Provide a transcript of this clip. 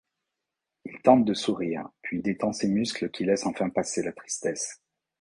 Il tente de sourire, puis détend ses muscles qui laissent enfin passer la tristesse.